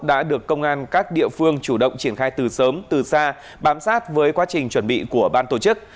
đã được công an các địa phương chủ động triển khai từ sớm từ xa bám sát với quá trình chuẩn bị của ban tổ chức